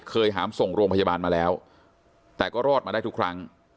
หามส่งโรงพยาบาลมาแล้วแต่ก็รอดมาได้ทุกครั้ง